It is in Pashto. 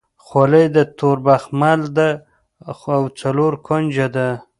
خولۍ د تور بخمل ده او څلور کونجه ده.